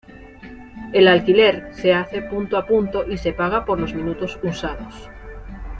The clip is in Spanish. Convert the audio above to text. El alquiler se hace punto a punto y se paga por los minutos usados.